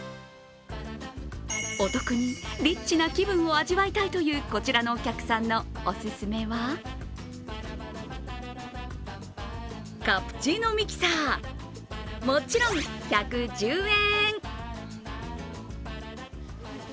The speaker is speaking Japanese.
お得に、リッチな気分を味わいたいというこちらのお客さんのオススメはカプチーノミキサー、もちろん１１０円。